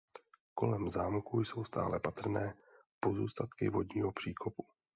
Kolem zámku jsou stále patrné pozůstatky vodního příkopu.